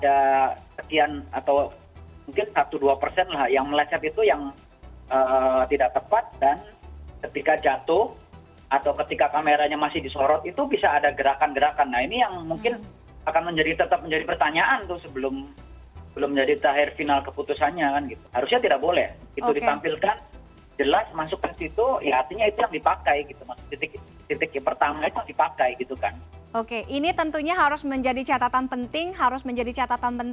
oke ini tentunya harus menjadi catatan penting harus menjadi catatan penting dan juga harus menjadi catatan penting untuk membuatnya lebih berkesan dan lebih berkesan